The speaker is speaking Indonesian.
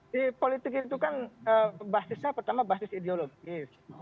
di politik itu kan basisnya pertama basis ideologis